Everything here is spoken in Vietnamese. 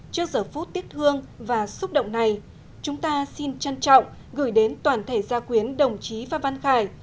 trước giờ phút tiếc thương và xúc động này chúng ta xin trân trọng gửi đến toàn thể gia quyến đồng chí phan văn khải